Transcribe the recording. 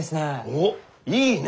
おっいいねえ！